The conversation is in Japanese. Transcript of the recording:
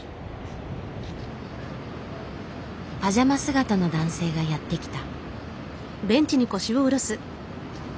パジャマ姿の男性がやって来た。